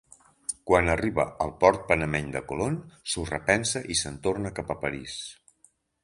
Quan arriba al port panameny de Colón s'ho repensa i se'n torna cap a París.